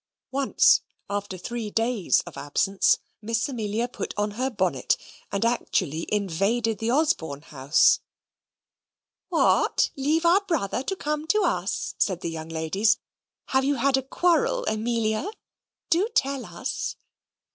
Once, after three days of absence, Miss Amelia put on her bonnet, and actually invaded the Osborne house. "What! leave our brother to come to us?" said the young ladies. "Have you had a quarrel, Amelia? Do tell us!"